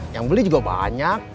yang beli juga banyak